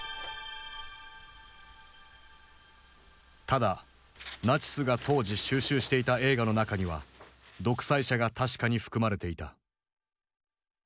ただナチスが当時収集していた映画の中には「独裁者」が確かに含まれていた。